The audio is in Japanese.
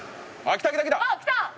あっきた！